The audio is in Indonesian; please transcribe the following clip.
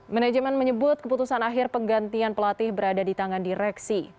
manajemen menyebut keputusan akhir penggantian pelatih berada di tangan direksi